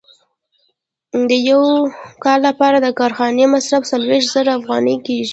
د یو کال لپاره د کارخانې مصارف څلوېښت زره افغانۍ کېږي